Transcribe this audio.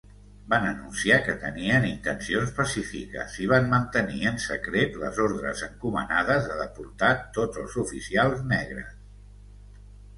Van anunciar que tenien intencions pacífiques i van mantenir en secret les ordres encomanades de deportar tots els oficials negres.